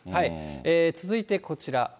続いてこちら。